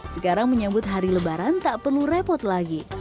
sekarang menyambut hari lebaran tak perlu repot lagi